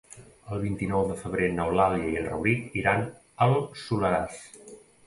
El vint-i-nou de febrer n'Eulàlia i en Rauric iran al Soleràs.